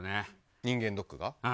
人間ドッグが？